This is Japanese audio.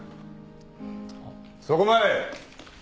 そこまで。